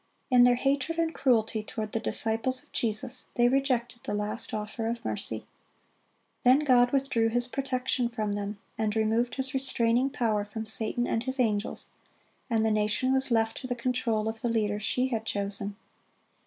In their hatred and cruelty toward the disciples of Jesus, they rejected the last offer of mercy. Then God withdrew His protection from them, and removed His restraining power from Satan and his angels, and the nation was left to the control of the leader she had chosen.